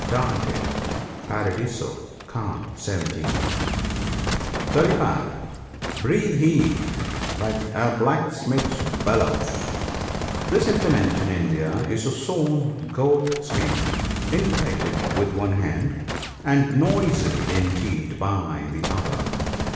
Dante, Paradiso, cant. 17. (35 ) Breathe he like a blacksmith's bellows, — This implement in India is a sewn goat skin, inflated with one hand and noisily emptied by the other.